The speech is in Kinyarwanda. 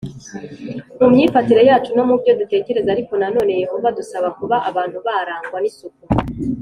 mu myifatire yacu no mu byo dutekereza Ariko nanone Yehova adusaba kuba abantu barangwa n isuku